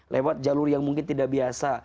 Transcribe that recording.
lewat jalur yang mungkin tidak biasa